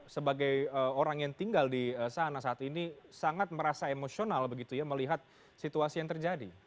sebagai orang yang tinggal di sana saat ini sangat merasa emosional begitu ya melihat situasi yang terjadi